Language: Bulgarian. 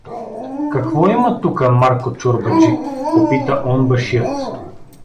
— Какво има тука, Марко чорбаджи? — попита онбашият.